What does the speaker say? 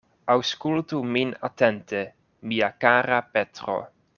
Aŭskultu min atente, mia kara Petro.